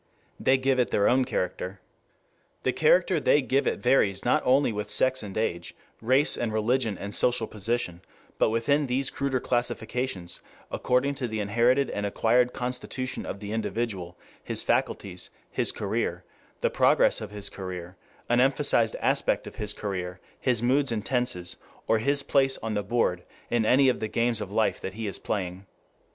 They give it their own character. 2 The character they give it varies not only with sex and age, race and religion and social position, but within these cruder classifications, according to the inherited and acquired constitution of the individual, his faculties, his career, the progress of his career, an emphasized aspect of his career, his moods and tenses, or his place on the board in any of the games of life that he is playing.